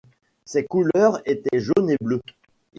Ses couleurs étaient Jaune et Bleu.